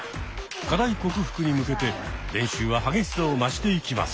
課題克服に向けて練習は激しさを増していきます。